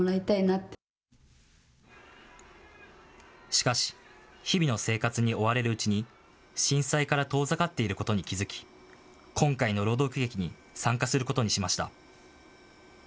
しかし日々の生活に追われるうちに震災から遠ざかっていることに気付き、今回の朗読劇に参加することにしました。